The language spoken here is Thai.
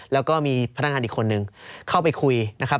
แล้วก็มีพนักงานอีกคนนึงเข้าไปคุยนะครับ